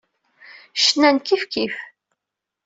Cnan kifkif.